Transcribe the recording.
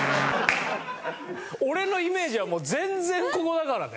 俺のイメージは全然ここだからね。